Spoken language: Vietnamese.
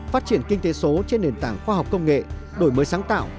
phát triển kinh tế số trên nền tảng khoa học công nghệ đổi mới sáng tạo